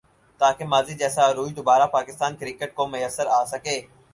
تاکہ ماضی جیسا عروج دوبارہ پاکستان کرکٹ کو میسر آ سکے